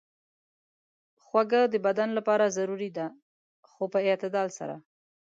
خوږه د بدن لپاره ضروري ده، خو په اعتدال سره.